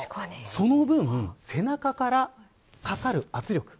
その分、背中からかかる圧力